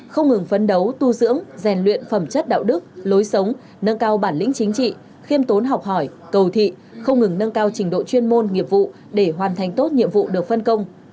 không ngừng phấn đấu tu dưỡng rèn luyện phẩm chất đạo đức lối sống nâng cao bản lĩnh chính trị khiêm tốn học hỏi cầu thị không ngừng nâng cao trình độ chuyên môn nghiệp vụ để hoàn thành tốt nhiệm vụ được phân công